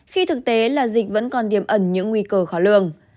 khi thực tế là dịch vẫn còn tiềm ẩn những nguy cơ khó lường